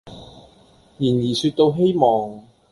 然而說到希望，